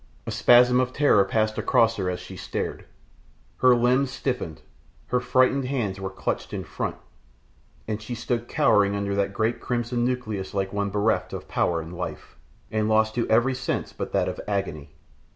A spasm of terror passed across her as she stared; her limbs stiffened; her frightened hands were clutched in front, and she stood cowering under that great crimson nucleus like one bereft of power and life, and lost to every sense but that of agony.